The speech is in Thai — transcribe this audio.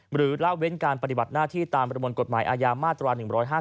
หรือละเว้นการปฏิบัติหน้าที่ตามประมวลกฎหมายอาญามาตรา๑๕๗